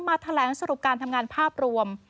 แถลงสรุปการทำงานภาพรวม